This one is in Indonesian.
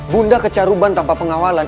bunda kecaruban tanpa pengawalan